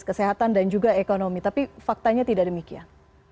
kesehatan dan juga ekonomi tapi faktanya tidak demikian